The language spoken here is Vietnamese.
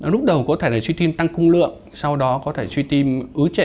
lúc đầu có thể là truy tim tăng cung lượng sau đó có thể truy tim ứ trệ